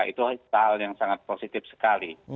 itu hal yang sangat positif sekali